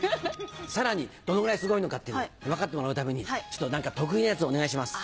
さらにどのぐらいすごいのか分かってもらうために何か得意なやつお願いします。